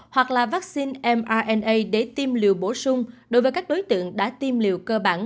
hoặc là vaccine mrna để tiêm liều bổ sung đối với các đối tượng đã tiêm liều cơ bản